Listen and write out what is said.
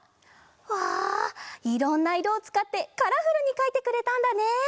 うわいろんないろをつかってカラフルにかいてくれたんだね。